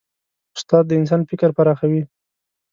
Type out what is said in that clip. استاد د انسان فکر پراخوي.